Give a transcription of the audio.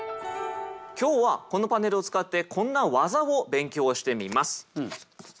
今日はこのパネルを使ってこんな技を勉強してみます。